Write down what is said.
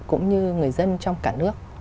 cũng như người dân trong cả nước